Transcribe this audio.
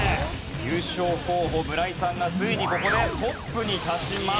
優勝候補村井さんがついにここでトップに立ちます。